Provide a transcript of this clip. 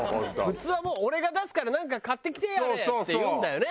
普通はもう「俺が出すからなんか買ってきてやれ」って言うんだよね